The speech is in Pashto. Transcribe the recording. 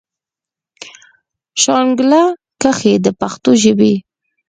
شانګله کښې د پښتو ژبې